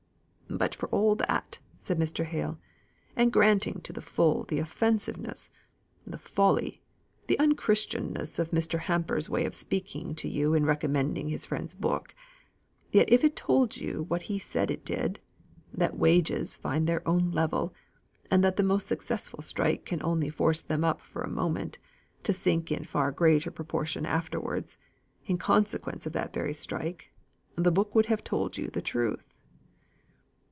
"But for all that," said Mr. Hale, "and granting to the full the offensiveness, the folly, the unchristianness of Mr. Hamper's way of speaking to you in recommending his friend's book, yet if it told you what he said it did, that wages find their own level, and that the most successful strike can only force them up for a moment, to sink in far greater proportion afterwards, in consequence of that very strike, the book would have told you the truth."